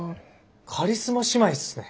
カリスマ姉妹っすね。